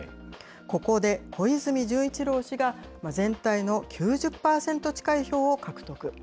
ここで小泉純一郎氏が全体の９０％近い票を獲得。